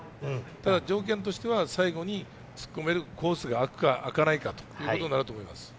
ただ条件としては最後に突っ込めるコースがあくか、あかないかということだと思います。